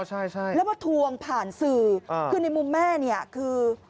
ใช่ใช่แล้วมาทวงผ่านสื่อคือในมุมแม่เนี่ยคือ